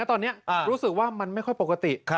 ตอนนี้รู้สึกว่ามันไม่ค่อยปกติ